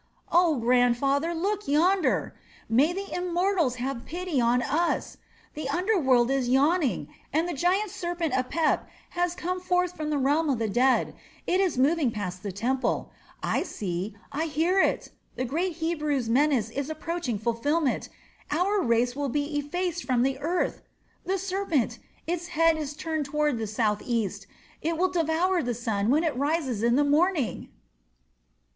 Oh, grandfather, look yonder! May the Immortals have pity on us! The under world is yawning, and the giant serpent Apep has come forth from the realm of the dead. It is moving past the temple. I see, I hear it. The great Hebrew's menace is approaching fulfilment. Our race will be effaced from the earth. The serpent! Its head is turned toward the southeast. It will devour the sun when it rises in the morning."